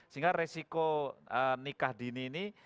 sehingga resiko nikah dini ini